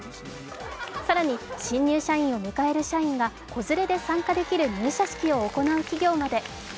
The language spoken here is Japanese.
更に、新入社員を迎える社員が子連れで参加できる入社式を行う企業まで。